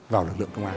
vào lực lượng công an